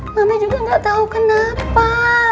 mama juga gak tahu kenapa